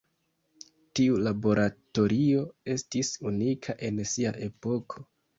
Tiu laboratorio estis unika en sia epoko.